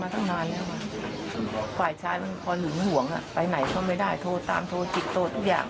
ตำรวจก็